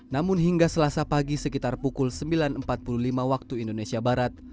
namun hingga selasa pagi sekitar pukul sembilan empat puluh lima waktu indonesia barat